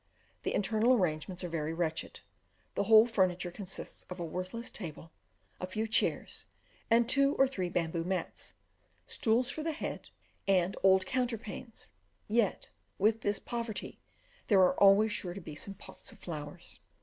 The internal arrangements are very wretched: the whole furniture consists of a worthless table, a few chairs, and two or three bamboo mats, stools for the head, and old counterpanes; yet, with this poverty, there are always sure to be some pots of flowers.